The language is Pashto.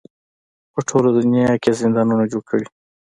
په ټوله دنیا کې یې زندانونه جوړ کړي.